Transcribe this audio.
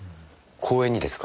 公園にですか？